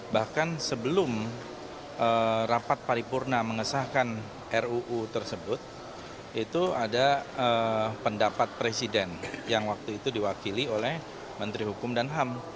bahkan sebelum rapat paripurna mengesahkan ruu tersebut itu ada pendapat presiden yang waktu itu diwakili oleh menteri hukum dan ham